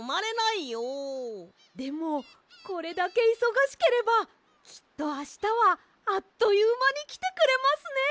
でもこれだけいそがしければきっとあしたはあっというまにきてくれますねえ。